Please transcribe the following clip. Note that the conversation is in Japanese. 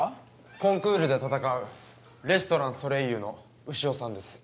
コンクールでたたかうレストラン「ソレイユ」の牛尾さんです。